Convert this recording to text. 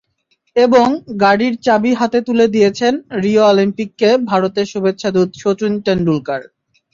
এবং গাড়ির চাবি হাতে তুলে দিয়েছেন রিও অলিম্পিকে ভারতের শুভেচ্ছাদূত শচীন টেন্ডুলকার।